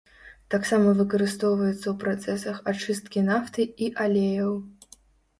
Таксама выкарыстоўваецца ў працэсах ачысткі нафты і алеяў.